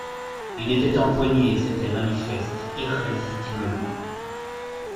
Il était «empoigné», c'était manifeste, irrésistiblement.